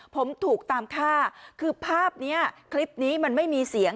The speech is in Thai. ผมถูกตามฆ่าคือภาพนี้คลิปนี้มันไม่มีเสียง